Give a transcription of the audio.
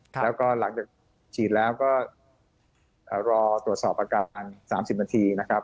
แล้วก็หลังจากฉีดแล้วก็รอตรวจสอบอากาศอัน๓๐นาทีนะครับ